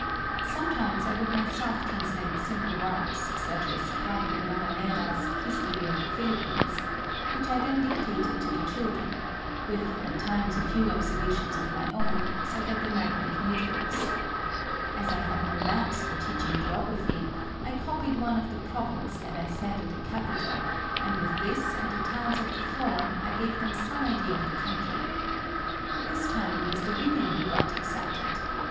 Sometimes I would myself translate simple works, such as Padre Barranera's History of the Philippines, which I then dictated to the children, with at times a few observations of my own, so that they might make note books. As I had no maps for teaching geography, I copied one of the province that I saw at the capital and with this and the tiles of the floor I gave them some idea of the country. This time it was the women who got excited.